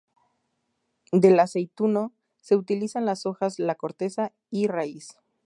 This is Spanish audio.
Del aceituno: se utilizan las hojas, la corteza y raíz.